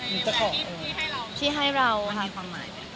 มีปิดฟงปิดไฟแล้วถือเค้กขึ้นมา